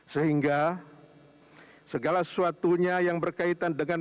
sehingga segala sesuatunya yang berkaitan dengan